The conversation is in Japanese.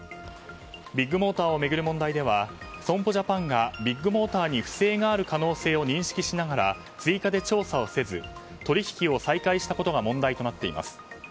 ビッグモーターを巡る問題では損保ジャパンがビッグモーターに不正がある可能性を認識しながら追加で調査をせず取引を再開したことが問題となっています。